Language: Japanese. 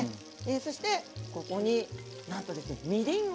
そしてここになんとですねみりんを。